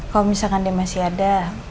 kalau misalkan dia masih ada